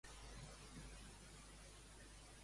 Què explicava el segon informe sobre Jordi Rosell?